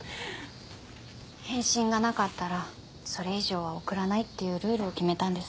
返信がなかったらそれ以上は送らないっていうルールを決めたんです。